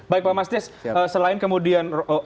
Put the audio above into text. baik pak mas des selain kemudian